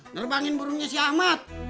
nerbangin burungnya si ahmad